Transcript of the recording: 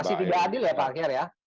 masih tidak adil ya pak akhir ya